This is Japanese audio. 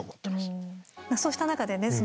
そうした中でね